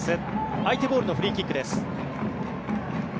相手ボールのフリーキックです。